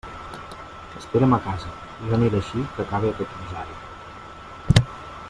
Espera'm a casa; jo aniré així que acabe aquest rosari.